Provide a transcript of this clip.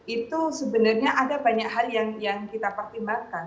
itu sebenarnya ada banyak hal yang kita pertimbangkan